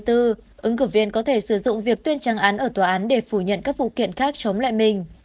ứng cử viên có thể sử dụng việc tuyên trăng án ở tòa án để phủ nhận các vụ kiện khác chống lại mình